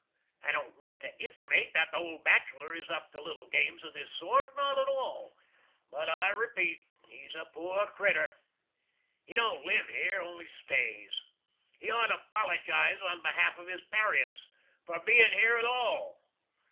I don't mean to intimate that the old bachelor is up to little games of this sort not at all but I repeat, he's a poor critter. He don't live here; only stays. He ought to 'pologize on behalf of his parients, for bein' here at all.